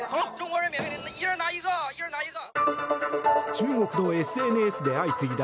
中国のＳＮＳで相次いだ